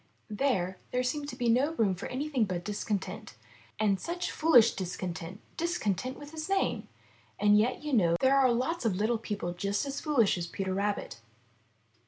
There, there seemed to be no room for anything but discontent. And such fooHsh discontent — discontent with his name! And yet do you know, there are lots of Httle people just as foolish as Peter Rabbit.